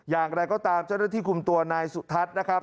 อย่างไรก็ตามเจ้าหน้าที่คุมตัวนายสุทัศน์นะครับ